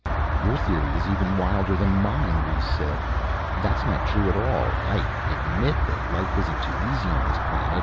"Your theory is even wilder than mine," Rhes said. "That's not true at all. I admit that life isn't too easy on this planet